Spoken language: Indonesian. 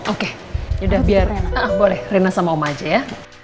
oke boleh rena sama oma aja ya